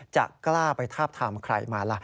จะกล้าไปทาบทามใครมาล่ะ